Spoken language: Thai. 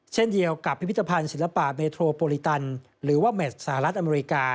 เช่นเดียวกับพิพิธภัณฑ์ศิลปะเบโทโปรลิตันหรือว่าเม็ดสหรัฐอเมริกา